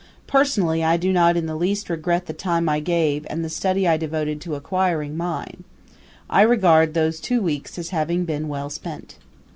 Personally I do not in the least regret the time I gave and the study I devoted to acquiring mine. I regard those two weeks as having been well spent.